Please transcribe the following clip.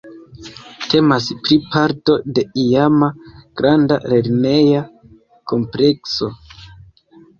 Temas pli parto de iama, granda lerneja komplekso.